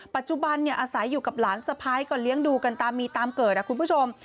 ปัจจุบันอาศัยอยู่กับหลานสะพ้ายก็เลี้ยงดูกันตามมีตามเกิดคุณผู้ชม